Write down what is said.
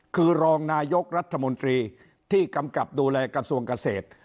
คือรองนายกรัฐมนตรีที่กำกับดูแลกระทรวงเกษตร